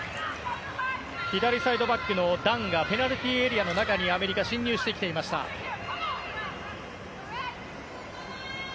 左サイドバックのダンがペナルティーエリアの中にアメリカ侵入してきていました。